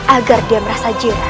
agar dia merasa jiran